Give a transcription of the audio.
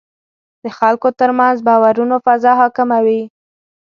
د خلکو ترمنځ باورونو فضا حاکمه وي.